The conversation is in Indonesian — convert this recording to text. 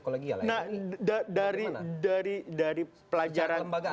kolegial nah dari pelajaran